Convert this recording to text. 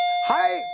はい！